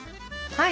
はい。